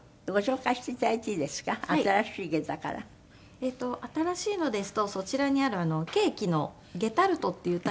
えっと新しいのですとそちらにあるケーキの『ゲタルト』っていうタイトルに。